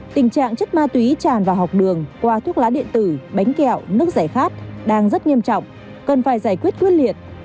tình trạng chất ma túy tràn vào học đường qua thuốc lá điện tử bánh kẹo nước giải khát đang rất nghiêm trọng cần phải giải quyết quyết liệt